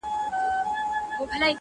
• په کتاب کي چي مي هره شپه لوستله ,